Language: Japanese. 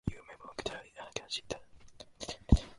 赤ちゃんは子犬を見て笑いました。